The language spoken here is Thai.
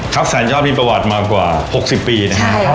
ครับแสนยอดมีประวัติมากว่า๖๐ปีนะฮะ